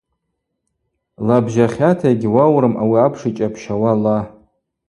Лабжьахьата йгьуаурым ауи апш йчӏапщауа ла.